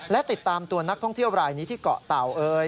และติดตามตัวนักท่องเที่ยวรายนี้ที่เกาะเต่าเอ่ย